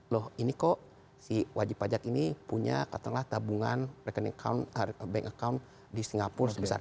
loh ini kok si wajib pajak ini punya katakanlah tabungan bank account di singapura sebesar